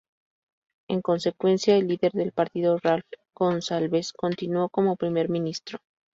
En consecuencia, el líder del partido Ralph Gonsalves continuó como Primer Ministro.